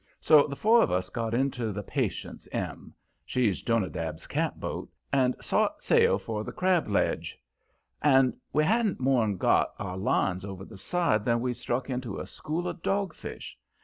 So the four of us got into the Patience M. she's Jonadab's catboat and sot sail for the Crab Ledge. And we hadn't more'n got our lines over the side than we struck into a school of dogfish.